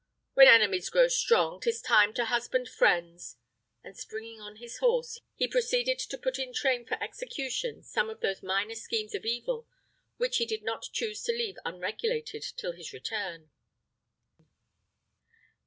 When enemies grow strong, 'tis time to husband friends;" and springing on his horse, he proceeded to put in train for execution some of those minor schemes of evil which he did not choose to leave unregulated till his return.